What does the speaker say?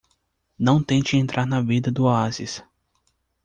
Não tente entrar na vida do oásis.